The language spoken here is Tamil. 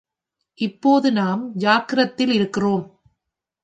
இப்போது நாம் ஜாக்கிரத்தில் இருக்கிறோம்.